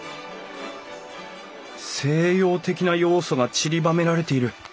西洋的な要素がちりばめられている。